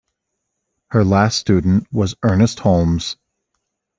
Her last student was Ernest Holmes.